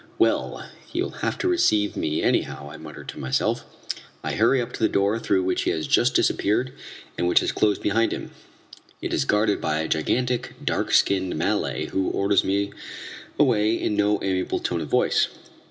"Well, he will have to receive me, anyhow!" I mutter to myself. I hurry up to the door through which he has just disappeared and which has closed behind him. It is guarded by a gigantic, dark skinned Malay, who orders me away in no amiable tone of voice.